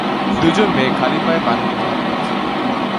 দুজন মেয়ে খালি পায়ে পানিতে ঝাঁপ দিচ্ছে